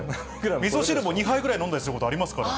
みそ汁も２杯ぐらい飲んだりすることありますから。